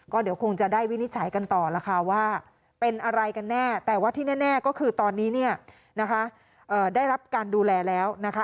ก็เดี๋ยวคงจะได้วินิจฉัยกันต่อแล้วค่ะว่าเป็นอะไรกันแน่แต่ว่าที่แน่ก็คือตอนนี้เนี่ยนะคะได้รับการดูแลแล้วนะคะ